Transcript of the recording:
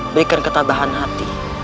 berikan ketabahan hati